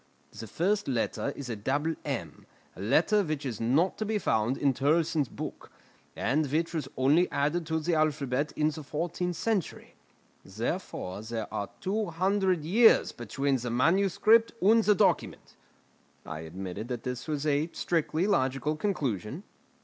The first letter is a double m, a letter which is not to be found in Turlleson's book, and which was only added to the alphabet in the fourteenth century. Therefore there are two hundred years between the manuscript and the document." I admitted that this was a strictly logical conclusion.